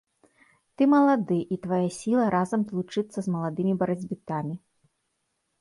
Ты малады, і твая сіла разам злучыцца з маладымі барацьбітамі.